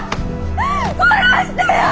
殺してよ！